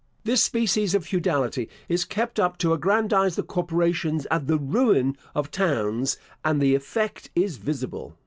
This species of feudality is kept up to aggrandise the corporations at the ruin of towns; and the effect is visible.